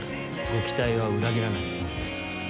ご期待は裏切らないつもりです。